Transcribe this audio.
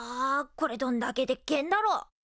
これどんだけでっけえんだろ？